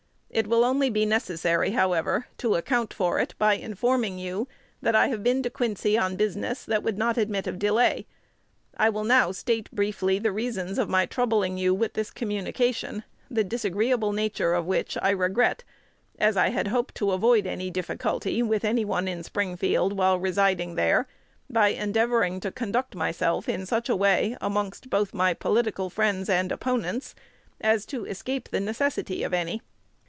It will only be necessary, however, to account for it by informing you that I have been to Quincy on business that would not admit of delay. I will now state briefly the reasons of my troubling you with this communication, the disagreeable nature of which I regret, as I had hoped to avoid any difficulty with any one in Springfield while residing there, by endeavoring to conduct myself in such a way amongst both my political friends and opponents, as to escape the necessity of any.